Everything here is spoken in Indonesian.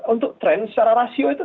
untuk tren secara rasio itu